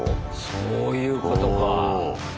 そういうことか。